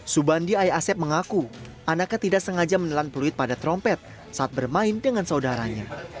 subandi ayah asep mengaku anaknya tidak sengaja menelan peluit pada trompet saat bermain dengan saudaranya